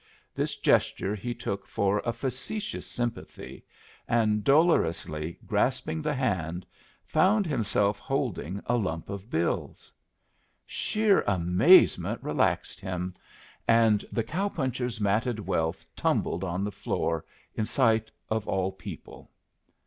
This gesture he took for a facetious sympathy, and, dolorously grasping the hand, found himself holding a lump of bills. Sheer amazement relaxed him, and the cow puncher's matted wealth tumbled on the floor in sight of all people.